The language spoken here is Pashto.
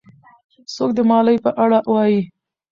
څوک د ملالۍ په اړه وایي؟